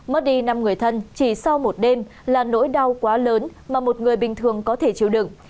mất đi năm người thân chỉ sau một đêm là nỗi đau quá lớn mà một người bình thường có thể chịu đựng